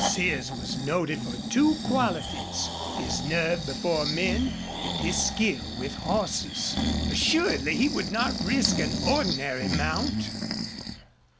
Sears was noted for two qualities his nerve before men and his skill with horses. Assuredly he would not risk an ordinary mount.